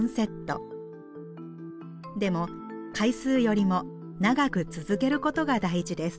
でも回数よりも長く続けることが大事です。